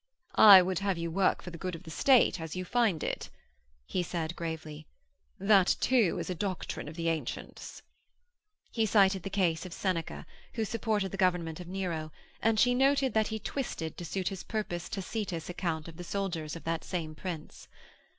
'I would have you work for the good of the State as you find it,' he said gravely. 'That, too, is a doctrine of the Ancients.' He cited the case of Seneca, who supported the government of Nero, and she noted that he twisted to suit his purpose Tacitus' account of the soldiers of that same Prince.